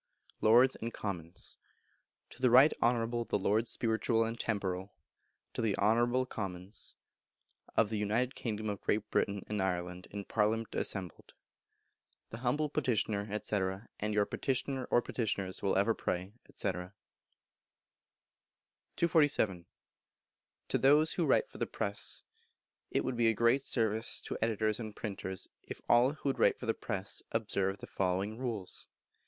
Lords and Commons. To the Right Honourable the Lords Spiritual and Temporal (To the Honourable the Commons) of the United Kingdom of Great Britain and Ireland, in Parliament assembled. The humble Petitioner &c. And your Petitioner [or Petitioners] will ever pray, &c. 247. To those who Write for the Press. It would be a great service to editors and printers if all who write for the press would observe the following rules.